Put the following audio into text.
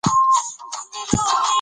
سم دم درته وايم